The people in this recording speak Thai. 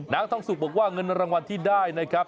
นางทองสุกบอกว่าเงินรางวัลที่ได้นะครับ